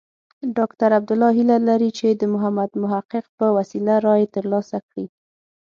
ډاکټر عبدالله هیله لري چې د محمد محقق په وسیله رایې ترلاسه کړي.